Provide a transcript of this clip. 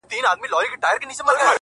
زړه چي په لاسونو کي راونغاړه”